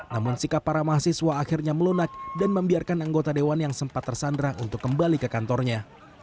namun sikap para mahasiswa akhirnya melunak dan membiarkan anggota dewan yang sempat tersandra untuk kembali ke kantornya